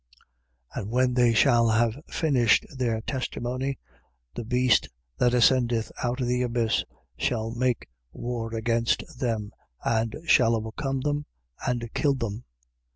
11:7. And when they shall have finished their testimony, the beast that ascendeth out of the abyss shall make war against them and shall overcome them and kill them.